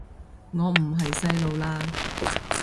我唔係細路喇